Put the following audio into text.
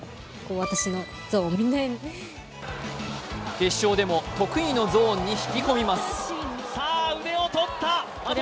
決勝でも得意のゾーンに引き込みます。